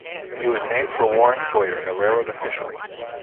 It was named for Warren Sawyer, a railroad official.